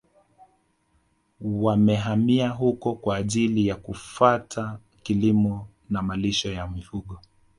Wamehamia huko kwa ajili ya kufata kilimo na malisho ya mifugo